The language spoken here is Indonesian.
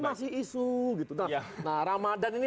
ini masih isu gitu nah ramadhan ini